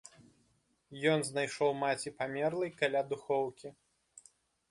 Ён знайшоў маці памерлай каля духоўкі.